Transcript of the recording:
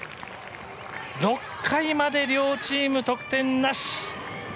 ６回まで両チーム得点なし。